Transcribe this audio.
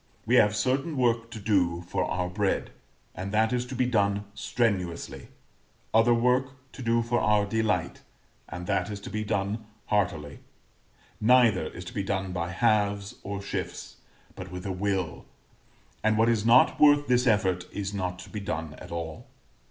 We have certain work to do for our bread, and that is to be done strenuously; other work to do for our delight, and that is to be done heartily: neither is to be done by halves or shifts, but with a will; and what is not worth this effort is not to be done at all.